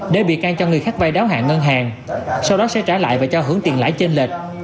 để bị can cho người khác vay đáo hạng ngân hàng sau đó sẽ trả lại và cho hưởng tiền lãi trên lệch